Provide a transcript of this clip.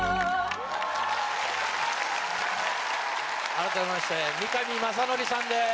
改めまして三上雅則さんです。